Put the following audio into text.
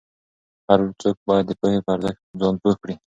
هر څوک باید د پوهې په ارزښت ځان پوه کړي.